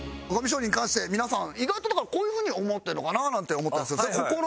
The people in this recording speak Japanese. ゴミ処理に関して皆さん意外となんかこういうふうに思ってるのかななんて思ったりするんですね